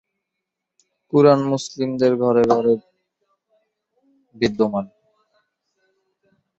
মুসলিমদের ঘরে ঘরে এ বই বিদ্যমান।